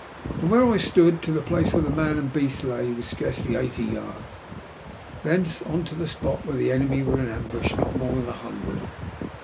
From where I stood, to the place where the man and beast lay, was scarcely eighty yards ; thence, on to the spot where the enemy were in ambush, not more than a hundred.